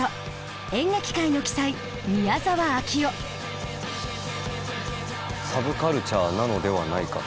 演劇界の奇才サブカルチャーなのではないか。